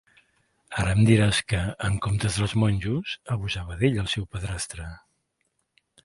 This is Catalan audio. Ara em diràs que, en comptes dels monjos, abusava d'ell el seu padrastre!